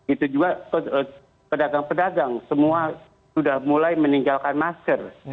itu juga pedagang pedagang semua sudah mulai meninggalkan masker